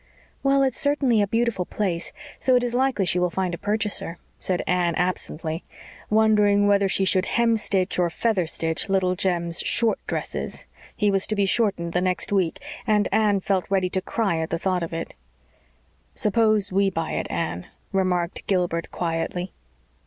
"Well, it's certainly a beautiful place, so it is likely she will find a purchaser," said Anne, absently, wondering whether she should hemstitch or feather stitch little Jem's "short" dresses. He was to be shortened the next week, and Anne felt ready to cry at the thought of it. "Suppose we buy it, Anne?" remarked Gilbert quietly.